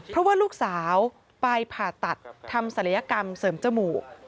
เพราะว่าลูกสาวไปผ่าตัดทำศัลยกรรมเสริมจมูก